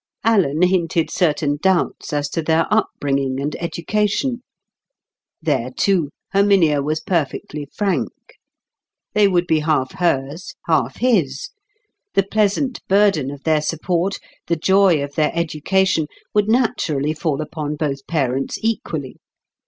Alan hinted certain doubts as to their up bringing and education. There, too, Herminia was perfectly frank. They would be half hers, half his; the pleasant burden of their support, the joy of their education, would naturally fall upon both parents equally.